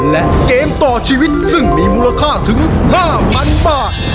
และเกมต่อชีวิตซึ่งมีมูลค่าถึง๕๐๐๐บาท